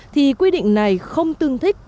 thì quy định này không tương thích